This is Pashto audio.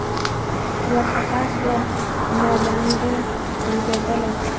وارخطا سوه لالهانده ګرځېدله